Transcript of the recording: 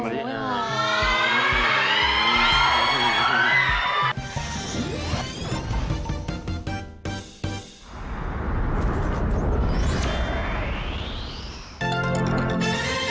เดี๋ยว